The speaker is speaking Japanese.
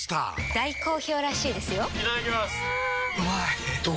大好評らしいですよんうまい！